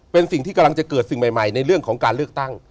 เป็นสิ่งที่กำลังจะเกิดสิ่งใหม่ในเรื่องของการเลือกตั้ง